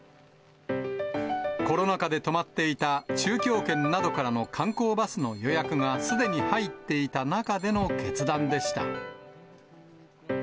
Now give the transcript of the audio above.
コロナ禍で止まっていた中京圏などからの観光バスの予約がすでに入っていた中での決断でした。